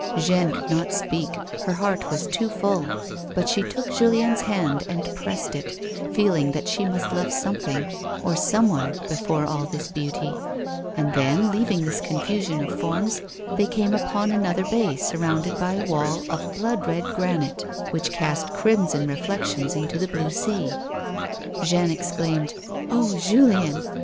Jeanne could not speak, her heart was too full, but she took Julien's hand and pressed it, feeling that she must love something or some one before all this beauty ; and then, leaving this confusion of forms, they came upon another bay surrounded by a wall of blood red granite, which cast crimson reflections into the blue sea. Jeanne exclaimed, " Oh, Julien